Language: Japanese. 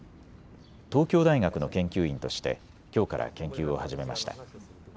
東京大学の研究員としてきょうから研究を始めました。